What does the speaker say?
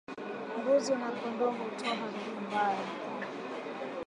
Mbuzi na kondoo hutoa harufu mbaya